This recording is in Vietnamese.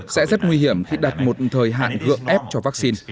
sẽ rất nguy hiểm khi đặt một thời hạn gượng ép cho vaccine